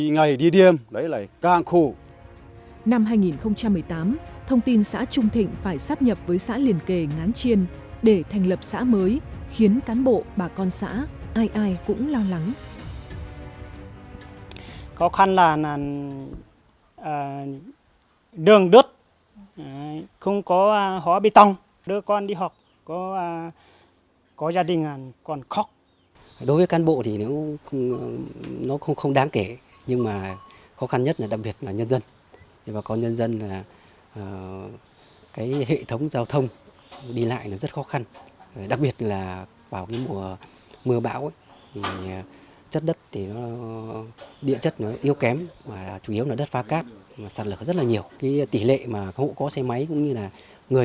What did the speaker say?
năm hai nghìn một mươi tám thông tin xã trung thịnh phải sắp nhập với xã liền kề ngán chiên để thành lập xã mới khiến cán bộ bà con xã ai ai cũng lo lắng